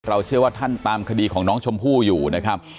เชื่อว่าท่านตามคดีของน้องชมพู่อยู่นะครับ